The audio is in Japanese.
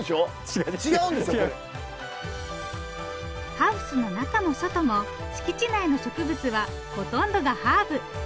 ハウスの中も外も敷地内の植物はほとんどがハーブ。